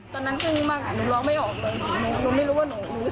ตอนนั้นก็นี่มั่งหนูร้องไม่ออกเลย